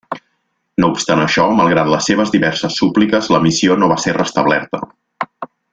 No obstant això, malgrat les seves diverses súpliques, la missió no va ser restablerta.